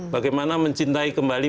bagaimana mencintai kembali